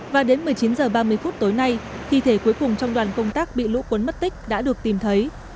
và đến một mươi chín h ba mươi phút tối nay thi thể cuối cùng trong đoàn công tác bị lũ cuốn mất tích đã được tìm thấy